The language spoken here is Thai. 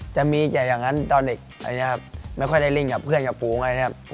จะมีอย่างนั้นตอนเด็กไม่ค่อยได้ลิ่นกับเพื่อนกับฝูงอะไรอย่างนี้ครับ